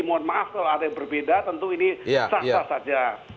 mohon maaf kalau ada yang berbeda tentu ini sah sah saja